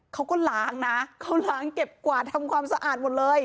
เขาก็ล้างนะเขาล้างเก็บกวาดทำความสะอาดหมดเลย